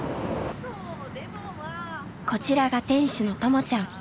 こちらが店主の「ともちゃん」。